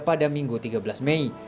pada minggu tiga belas mei